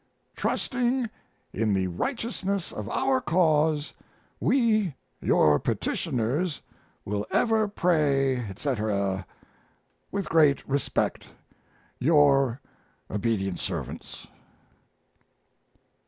Trusting in the righteousness of our cause we, your petitioners, will ever pray, etc. With great respect, Your Ob't Serv'ts.